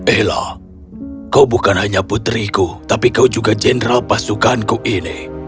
ella kau bukan hanya putriku tapi kau juga jenderal pasukanku ini